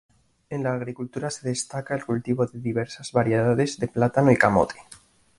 En la Agricultura se destaca el cultivo de diversas variedades de plátano y camote.